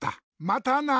またな！